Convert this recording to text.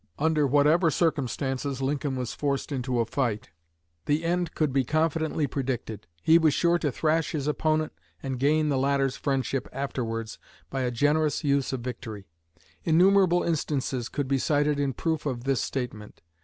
Under whatever circumstances Lincoln was forced into a fight, the end could be confidently predicted. He was sure to thrash his opponent and gain the latter's friendship afterwards by a generous use of victory. Innumerable instances could be cited in proof of this statement.